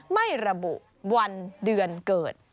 ไม่ระบุวันเดือนเกิด